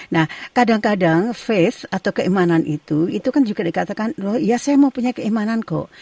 nah kadang kadang face atau keimanan itu itu kan juga dikatakan loh ya saya mau punya keimanan kok